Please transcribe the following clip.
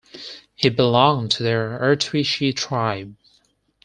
He belonged to the "Artushi" tribe.